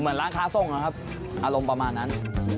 ร้านค้าส่งนะครับอารมณ์ประมาณนั้น